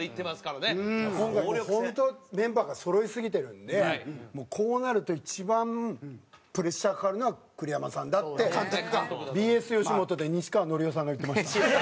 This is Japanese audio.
今回もう本当メンバーがそろいすぎてるんでこうなると一番プレッシャーかかるのは栗山さんだってＢＳよしもとで西川のりおさんが言ってました。